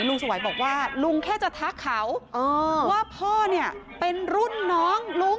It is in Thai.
ลุงสวัยบอกว่าลุงแค่จะทักเขาว่าพ่อเป็นรุ่นน้อง